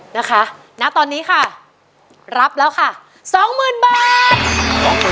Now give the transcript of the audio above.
นะคะณตอนนี้ค่ะรับแล้วค่ะ๒๐๐๐๐บาท